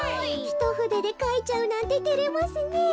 ひとふででかいちゃうなんててれますねえ。